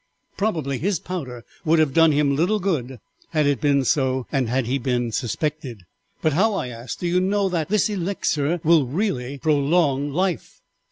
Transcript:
Probably his powder would have done him little good had it been so and had he been suspected.' "'But how,' I asked, 'do you know that this Elixir will really prolong life?'